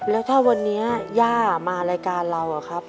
แล้วถ้าวันนี้ย่ามารายการเราอะครับ